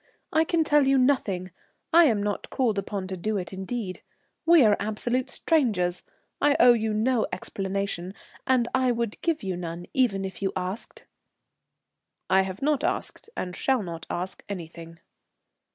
"I can tell you nothing, I am not called upon to do it indeed. We are absolute strangers, I owe you no explanation, and I would give you none, even if you asked." "I have not asked and shall not ask anything."